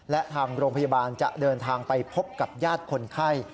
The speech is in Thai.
และทางโรงพยาบาลจะเดินทางไปพบกับญาติคนไข้